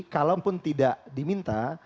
kalaupun tidak diminta